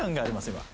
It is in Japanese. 今。